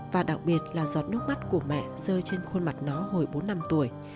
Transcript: và đặc biệt là giọt nước mắt của mẹ rơi trên khuôn mặt nó hồi bốn năm tuổi